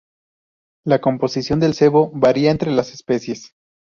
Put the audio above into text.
La composición del sebo varía entre las especies.